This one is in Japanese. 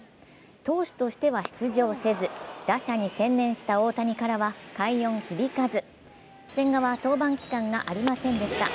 投手としては出場せず打者に専念した大谷からは快音響かず、千賀は登板機会がありませんでした。